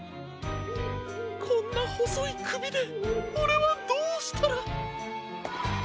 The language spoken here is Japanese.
こんなほそいくびでオレはどうしたら。